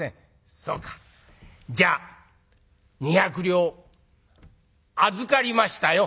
「そうかじゃあ２百両預かりましたよ」。